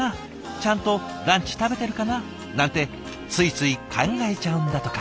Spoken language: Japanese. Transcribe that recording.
「ちゃんとランチ食べてるかな？」なんてついつい考えちゃうんだとか。